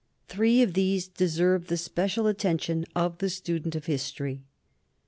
Three of these deserve the special attention of the student of history.